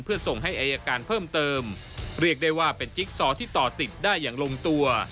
เพื่อส่งให้อายการเพิ่มเติมเรียกได้ว่าเป็นจิ๊กซอที่ต่อติดได้อย่างลงตัว